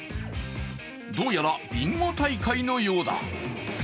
どうやらビンゴ大会のようだ。